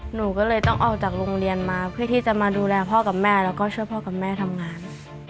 หนูก็เลยต้องออกจากโรงเรียนมาเพื่อที่จะมาดูแลพ่อกับแม่แล้วก็ช่วยพ่อกับแม่ทำงาน